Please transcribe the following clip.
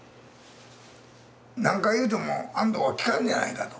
何回言うても安藤は聞かんじゃないかと。